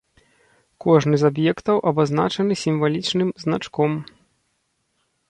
Кожны з аб'ектаў абазначаны сімвалічным значком.